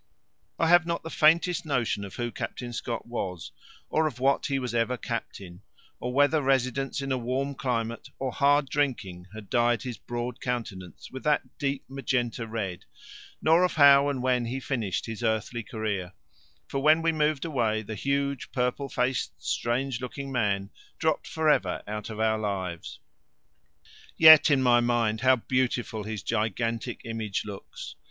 I have not the faintest notion of who Captain Scott was, or of what he was ever captain, or whether residence in a warm climate or hard drinking had dyed his broad countenance with that deep magenta red, nor of how and when he finished his earthly career; for when we moved away the huge purple faced strange looking man dropped for ever out of our lives; yet in my mind how beautiful his gigantic image looks!